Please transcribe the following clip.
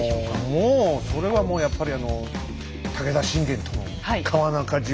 もうそれはもうやっぱりあの武田信玄とのねえ！